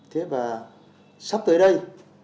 thế và sắp tới đây